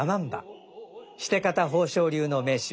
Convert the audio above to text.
シテ方宝生流の名手